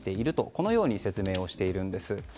このように説明をしているんです。